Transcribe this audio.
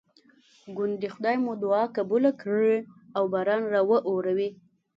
ګوندې خدای مو دعا قبوله کړي او باران راواوري.